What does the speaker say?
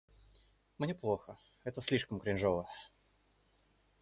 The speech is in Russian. Мне плохо, это слишком кринжово.